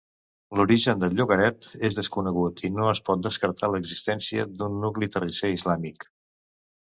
L'origen del llogaret és desconegut i no es pot descartar l'existència d'un nucli terrisser islàmic.